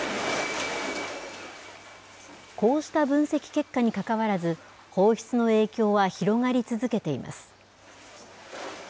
こうした分析結果にかかわらず、放出の影響は広がり続けています。